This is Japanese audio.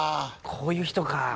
こういう人か。